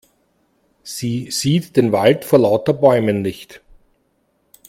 Sie sieht den Wald vor lauter Bäumen nicht.